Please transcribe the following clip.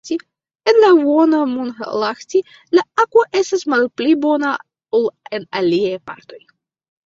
En la Vuonamonlahti la akvo estas malpli bona ol en aliaj partoj.